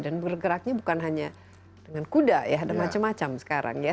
dan bergeraknya bukan hanya dengan kuda ya ada macam macam sekarang ya